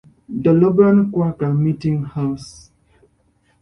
Dolobran Quaker Meeting House.